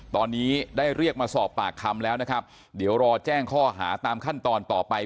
ตอนนี้ได้เรียกมาสอบปากคำแล้วนะครับเดี๋ยวรอแจ้งข้อหาตามขั้นตอนต่อไป